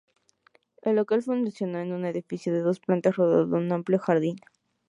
El local funcionó en un edificio de dos plantas rodeado de un amplio jardín.